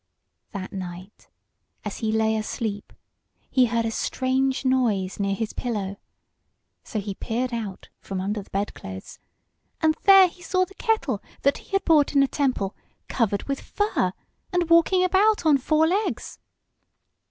That night, as he lay asleep, he heard a strange noise near his pillow; so he peered out from under the bedclothes, and there he saw the kettle that he had bought in the temple covered with fur, and walking about on four legs.